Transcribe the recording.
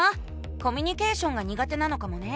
コミュニケーションが苦手なのかもね。